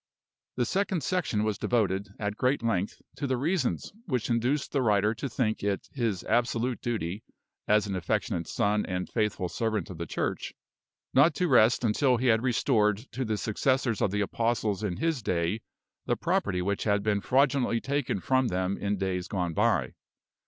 The second section was devoted, at great length, to the reasons which induced the writer to think it his absolute duty, as an affectionate son and faithful servant of the Church, not to rest until he had restored to the successors of the apostles in his day the property which had been fraudulently taken from them in days gone by.